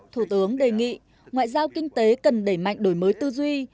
thủ tướng đề nghị ngoại giao kinh tế cần đẩy mạnh đổi mới tư duy